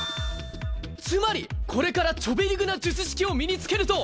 つまりこれからチョベリグな術式を身に付けると！